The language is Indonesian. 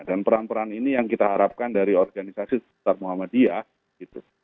peran peran ini yang kita harapkan dari organisasi muhammadiyah gitu